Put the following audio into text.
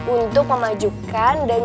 untuk memajukan dan